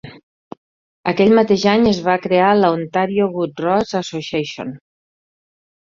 Aquell mateix any, es va crear la Ontario Good Roads Association.